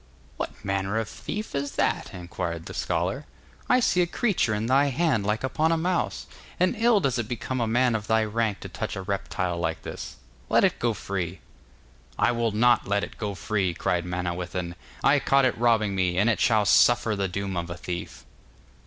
'What manner of thief is that?' inquired the scholar. 'I see a creature in thy hand like upon a mouse, and ill does it become a man of thy rank to touch a reptile like this. Let it go free.' 'I will not let it go free,' cried Manawyddan. 'I caught it robbing me, and it shall suffer the doom of a thief.